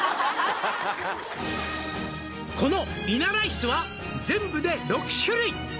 「このいなライスは全部で６種類」